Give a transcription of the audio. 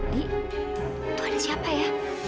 di tuh ada siapa ya